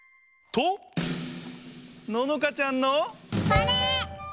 とののかちゃんの。